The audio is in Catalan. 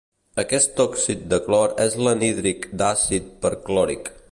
Aquest òxid de clor és l'anhídrid d'àcid perclòric.